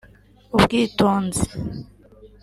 ubwitonzi